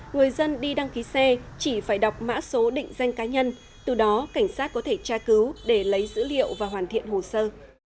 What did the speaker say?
người dân đi đăng ký xe chỉ phải đọc mã số định danh cá nhân từ đó cảnh sát có thể tra cứu để lấy dữ liệu và hoàn thiện hồ sơ